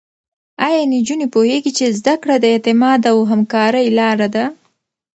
ایا نجونې پوهېږي چې زده کړه د اعتماد او همکارۍ لاره ده؟